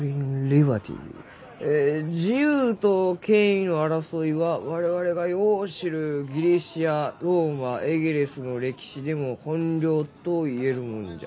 え「自由と権威の争いは我々がよう知るギリシアローマエゲレスの歴史でも本領と言えるもんじゃ」。